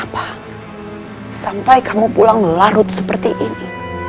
bahwa kamu pulang melarut seperti ini